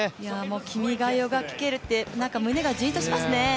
「君が代」が聴けるって胸がジーンとしますね。